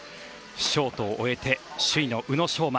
ショートを終えて首位の宇野昌磨